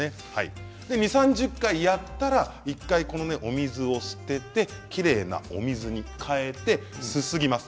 ２０、３０回やったら１回お水を捨ててきれいなお水に変えてすすぎます。